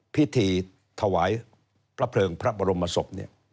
พิธีถวายพระเพลิงพระบรมศพ